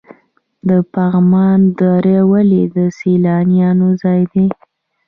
د پغمان دره ولې د سیلانیانو ځای دی؟